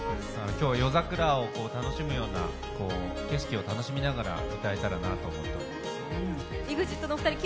今日、夜桜を楽しむような景色を楽しみながら歌えたらなと思っています。